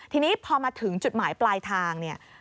ทีนี้พอมาถึงจุดหมายปลายทางเนี่ย